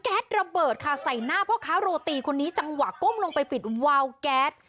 ระเบิดค่ะใส่หน้าพ่อค้าโรตีคนนี้จังหวะก้มลงไปปิดวาวแก๊ส